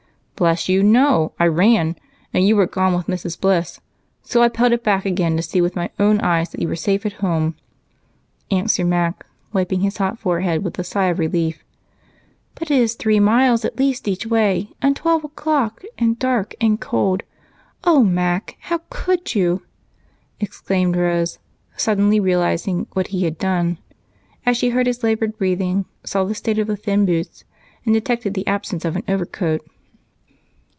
"Bless you, no I ran. But you were gone with Mrs. Bliss, so I pelted back again to see with my own eyes that you were safe at home," answered Mac with a sigh of relief, wiping his hot forehead. "But it is three miles at least each way, and twelve o'clock, and dark and cold. Oh, Mac! How could you!" exclaimed Rose, suddenly realizing what he had done as she heard his labored breathing, saw the state of the thin boots, and detected the absence of an overcoat.